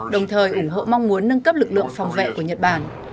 đồng thời ủng hộ mong muốn nâng cấp lực lượng phòng vệ của nhật bản